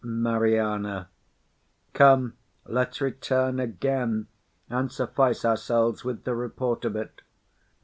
MARIANA. Come, let's return again, and suffice ourselves with the report of it.